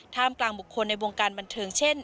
กลางบุคคลในวงการบันเทิงเช่น